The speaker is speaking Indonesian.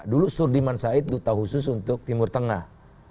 dulu surdiman said duta khusus untuk timur tengah